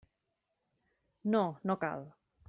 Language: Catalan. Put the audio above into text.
No, no cal.